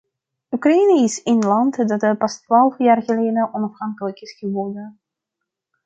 Oekraïne is een land dat pas twaalf jaar geleden onafhankelijk is geworden.